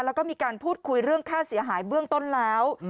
แล้วก็มีการพูดคุยเรื่องค่าเสียหายเบื้องต้นแล้ว